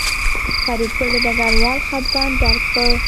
فریدګل د ډګروال خپګان درک کړ